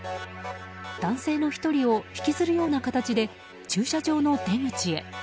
男性の１人を引きずるような形で駐車場の出口へ。